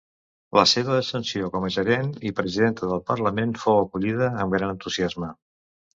La seva ascensió com a regent i presidenta del parlament fou acollida amb gran entusiasme.